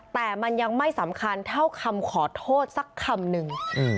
แต่มันยังไม่สำคัญเท่าคำขอโทษสักคำหนึ่ง